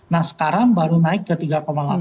nah sekarang baru naik ke tiga delapan